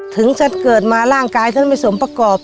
ถึงชั้นเกิดมาร่างกายฉันก็ไม่สมประกอบ